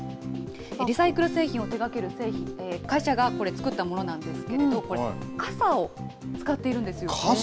リサイクル製品を手がける会社がこれ、作ったものなんですけれども、これ、傘を使っているんです傘？